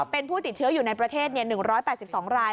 เป็นผู้ติดเชื้ออยู่ในประเทศ๑๘๒ราย